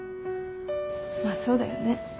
まあそうだよね。